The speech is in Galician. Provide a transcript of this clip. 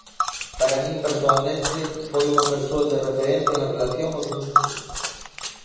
Para min, persoalmente, foi unha persoa de referencia en relación aos meus estudos.